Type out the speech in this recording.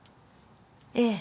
ええ。